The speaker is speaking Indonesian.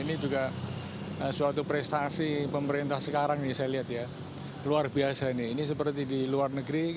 ini juga suatu prestasi pemerintah sekarang nih saya lihat ya luar biasa ini ini seperti di luar negeri